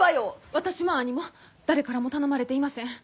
私も兄も誰からも頼まれていません。